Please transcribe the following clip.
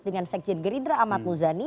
dengan sekjen gerindra ahmad muzani